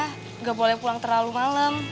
nggak boleh pulang terlalu malem